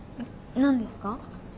何ですか？